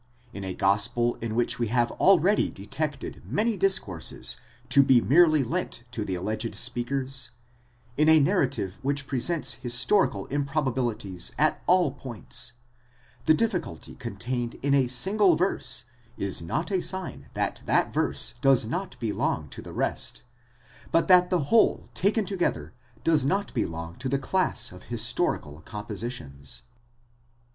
Ina gospel in which we have already detected many discourses to be merely lent to the alleged speakers— in a narrative which presents historical improbabilities at all points,—the difficulty contained in a single verse is not a sign that that verse does not belong to the rest, but that the whole taken together does not belong to the class of historical compositions.